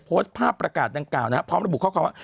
โพสต์ภาพประกาศดังกล่าวนะครับพร้อมระบุข้อความว่า